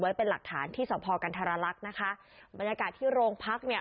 เป็นหลักฐานที่สพกันธรรลักษณ์นะคะบรรยากาศที่โรงพักเนี่ย